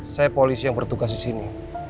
saya polisi yang bertugas disini